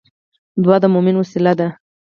دعا د مومن وسله ده